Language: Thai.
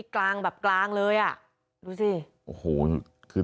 กลางแบบกลางเลยอ่ะ